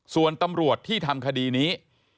ส่วนตำรวจที่ทำคดีนี้